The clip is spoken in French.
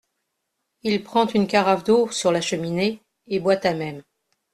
Il prend une carafe d’eau sur la cheminée, et boit à même.